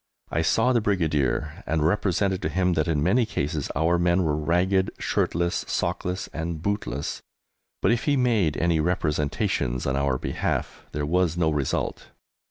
I saw the Brigadier, and represented to him that in many cases our men were ragged, shirtless, sockless, and bootless, but if he made any representations on our behalf there was no result.